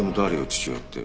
父親って。